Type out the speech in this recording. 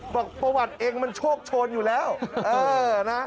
บอกประวัติเองมันโชคโชนอยู่แล้วเออนะ